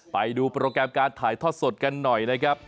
ไปดูโปรแกรมการถ่ายทอดสดกันหน่อยนะครับ